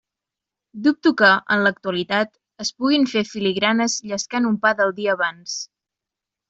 Dubto que, en l'actualitat, es puguin fer filigranes llescant un pa del dia abans.